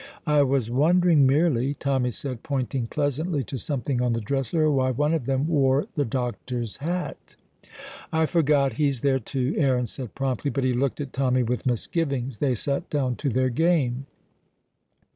"I was wondering, merely," Tommy said, pointing pleasantly to something on the dresser, "why one of them wore the doctor's hat." "I forgot; he's there, too," Aaron said promptly; but he looked at Tommy with misgivings. They sat down to their game.